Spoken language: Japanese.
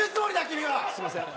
君はすいません